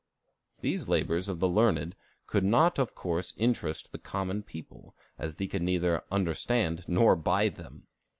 These labors of the learned could not of course interest the common people, as they could neither understand nor buy them.